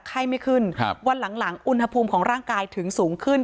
ไข้ไม่ขึ้นวันหลังอุณหภูมิของร่างกายถึงสูงขึ้น